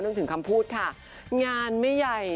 ถึงคำพูดค่ะงานไม่ใหญ่